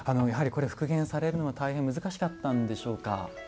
やはりこれ復元されるのは大変難しかったんでしょうか。